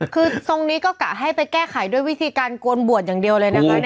คือทรงนี้ก็กะให้ไปแก้ไขด้วยวิธีการโกนบวชอย่างเดียวเลยนะคะ